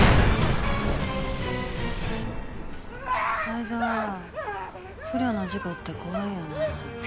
愛沢不慮の事故って怖いよな。